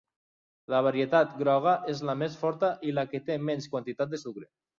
La varietat groga és la més forta i la que té menys quantitat de sucre.